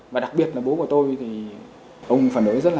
và đặc biệt là bố của tôi thì ông phản đối rất là